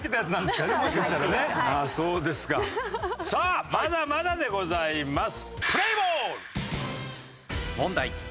さあまだまだでございます。